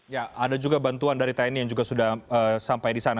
ya ada juga bantuan dari tni yang juga sudah sampai di sana